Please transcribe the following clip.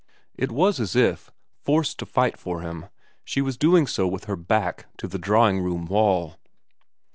It was as if, forced to fight for him, she was doing so with her back to her drawing room wall.